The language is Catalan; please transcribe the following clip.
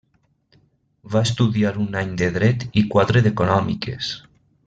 Va estudiar un any de dret i quatre d'econòmiques.